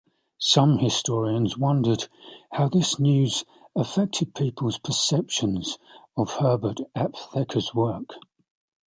Some historians wondered how this news affected people's perceptions of Herbert Aptheker's work.